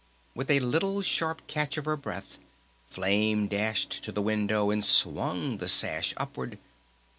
With a little sharp catch of her breath Flame dashed to the window, and swung the sash upward!